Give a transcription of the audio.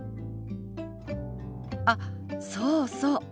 あっそうそう。